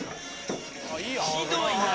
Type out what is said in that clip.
「ひどいな」